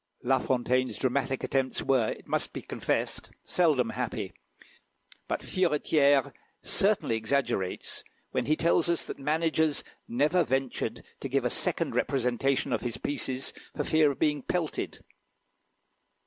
La Fontaine's dramatic attempts were, it must be confessed, seldom happy; but Furetierè certainly exaggerates when he tells us that managers never ventured to give a second representation of his pieces, for fear of being pelted.